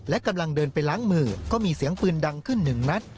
และกำลังเดินไปล้างมือก็มีเสียงปืนดังขึ้นหนึ่งนัด